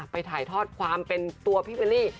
ถ่ายทอดความเป็นตัวพี่วิลลี่